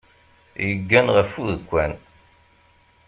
Yeggan ɣef udekkan.